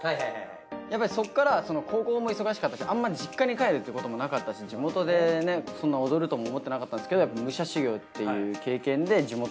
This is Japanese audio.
やっぱりそこからは高校も忙しかったしあんまり実家に帰るっていうこともなかったし地元でそんな踊るとも思ってなかったんですけど。